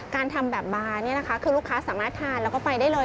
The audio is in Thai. การทำแบบบาร์เนี่ยนะคะคือลูกค้าสามารถทานแล้วก็ไปได้เลย